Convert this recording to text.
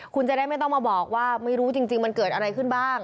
คุณจะได้ไม่ต้องมาบอกว่าไม่รู้จริงมันเกิดอะไรขึ้นบ้าง